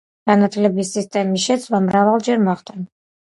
განათლების სისტემის შეცვლა მრავალჯერ მოხდა.